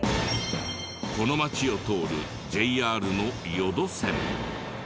この町を通るＪＲの予土線。